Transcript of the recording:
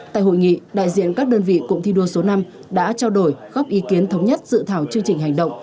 tại hội nghị đại diện các đơn vị cụm thi đua số năm đã trao đổi góp ý kiến thống nhất dự thảo chương trình hành động